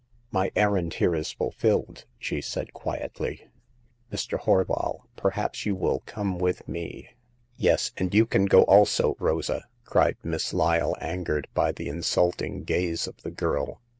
" My errand here is fulfilled,*' she said, quietly, " Mr. Horval, perhaps you will come with me." " Yes, and you can go also, Rosa," cried Miss Lyle, angered by the insulting gaze of the girl.